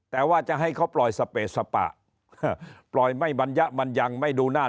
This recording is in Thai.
แต่ว่าจะให้เขาปล่อยสเปสปะปล่อยไม่บรรยะมันยังไม่ดูหน้า